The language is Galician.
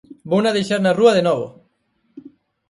Vouna deixar na rúa de novo!"